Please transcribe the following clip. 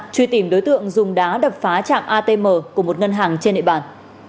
truy tìm đối tượng dùng đá đập phá chạm atm của một ngân hàng trên địa bàn